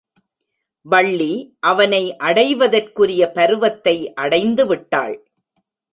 வள்ளி அவனை அடைவதற்குரிய பருவத்தை அடைந்து விட்டாள்.